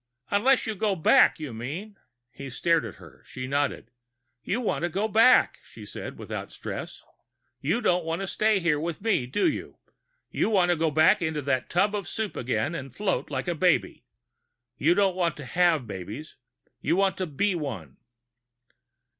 "Unless you go back, you mean." He stared at her; she nodded. "You want to go back," she said, without stress. "You don't want to stay here with me, do you? You want to go back into that tub of soup again and float like a baby. You don't want to have babies you want to be one."